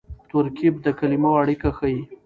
ترکیب د کلیمو اړیکه ښيي.